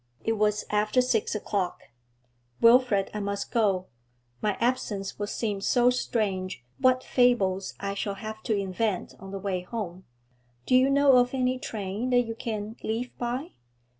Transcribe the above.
It was after six o'clock. 'Wilfrid, I must go. My absence will seem so strange what fables I shall have to invent on the way home. Do you know of any train that you can leave by?'